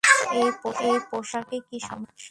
এই পোশাকে কী সমস্যা?